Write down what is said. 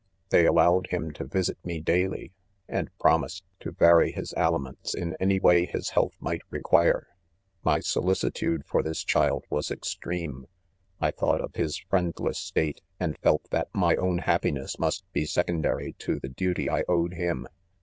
They allowed, him;i,tOfvisit' me daily, and promised tp< vary his aliments in any way his health might require. . 4 My solicitude for' this child was extreme. I thought of , his friendless, state, and felt that my own happiness must be secondary to the duty I owed him.